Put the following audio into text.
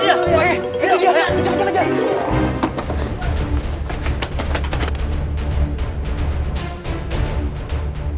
mulai lari kemah lo hah